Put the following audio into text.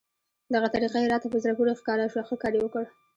دغه طریقه یې راته په زړه پورې ښکاره شوه، ښه کار یې وکړ.